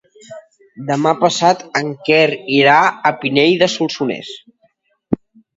Demà passat en Quer irà a Pinell de Solsonès.